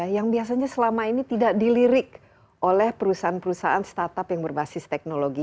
yang biasanya selama ini tidak dilirik oleh perusahaan perusahaan startup yang berbasis teknologi